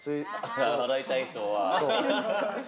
洗いたい人は。